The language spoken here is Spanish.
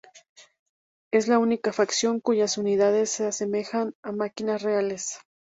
Es la única facción cuyas unidades se asemejan a máquinas reales.